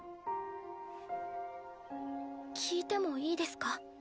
聞いてもいいですか？